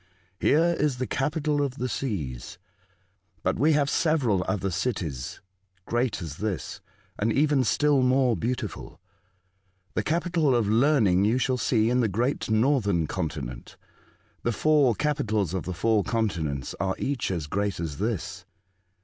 *' Here is the capital of the seas ; but we have several other cities great as this, and even still more beautiful. The capital of Learning you shall see in the great northern continent. The four capitals of the four continents are each as great as this."